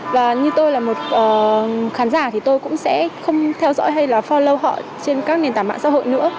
và như tôi là một khán giả thì tôi cũng sẽ không theo dõi hay là for lau họ trên các nền tảng mạng xã hội nữa